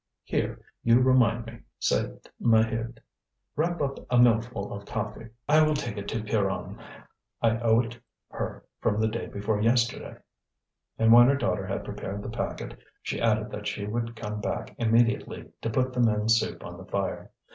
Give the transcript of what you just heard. "Here! you remind me," said Maheude. "Wrap up a millful of coffee. I will take it to Pierronne; I owe it her from the day before yesterday." And when her daughter had prepared the packet she added that she would come back immediately to put the men's soup on the fire.